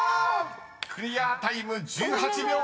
［クリアタイム１８秒５０］